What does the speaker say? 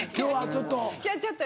今日はちょっと。